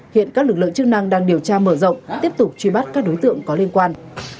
hiện các lực lượng chức năng đang điều tra mở rộng tiếp tục truy bắt các đối tượng có liên quan